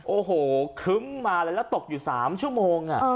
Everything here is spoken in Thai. โอ้โหครึ้มมาเลยแล้วตกอยู่๓ชั่วโมง